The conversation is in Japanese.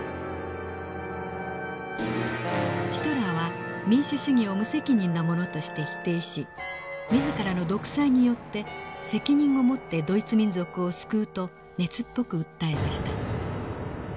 ヒトラーは民主主義を無責任なものとして否定し自らの独裁によって責任を持ってドイツ民族を救うと熱っぽく訴えました。